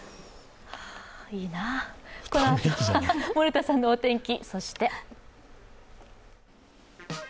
このあとは森田さんのお天気。